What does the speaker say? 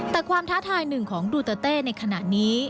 แต่ความท้าทายหนึ่งของดูเตอร์เต้ในขณะนี้